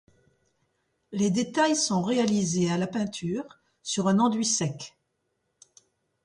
Les détails sont réalisés à la peinture sur un enduit sec.